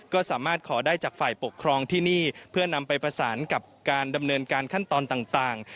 ก็สามารถขอได้จากฝ่ายปกครองที่นี่เพื่อนำไปประสานกับการดำเนินการขั้นตอนต่าง